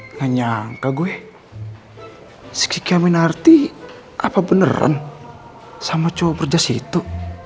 nganyangka gue sekitar minarti apa beneran sama cowok berjas itu